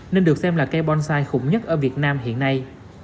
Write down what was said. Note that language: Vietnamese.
nên được xem là cây bonsai khủng nhất ở việt nam hiện nay